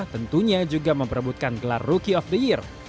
tentunya juga memperebutkan gelar rookie of the year